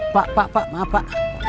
pak pak pak maaf pak